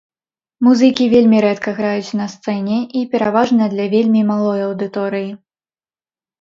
Музыкі вельмі рэдка граюць на сцэне і пераважна для вельмі малой аўдыторыі.